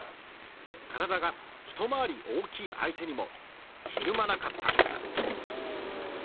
体が一回り大きい相手にもひるまなかった。